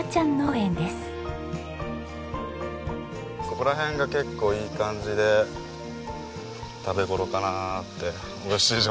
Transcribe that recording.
ここら辺が結構いい感じで食べ頃かなって美味しい状態で。